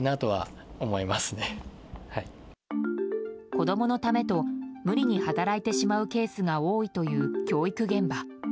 子供のためと無理に働いてしまうケースが多いという教育現場。